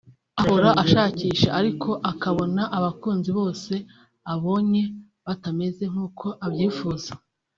ahora ashakisha ariko akabona abakunzi bose abonye batameze nk’uko abyifuza